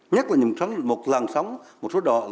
nhất là nhằm sống một làn sóng một số đỏ